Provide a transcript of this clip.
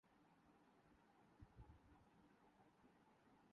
جن کی چھٹی ہونی تھی۔